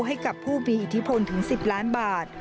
ให้กับผู้มีอิทธิพลถึง๑๐ล้านบาท